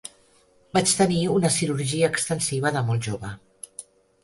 Vaig tenir una cirurgia extensiva de molt jove.